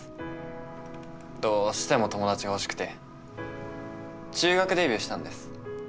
どうしても友達が欲しくて中学デビューしたんです。